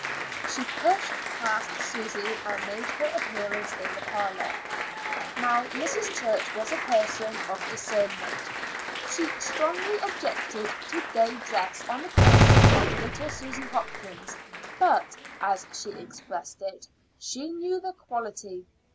She pushed past Susy and made her appearance in the parlor. Now, Mrs. Church was a person of discernment. She strongly objected to gay dress on the person of little Susy Hopkins; but, as she expressed it, she knew the quality.